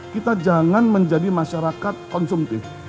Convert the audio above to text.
kita jangan menjadi masyarakat konsumtif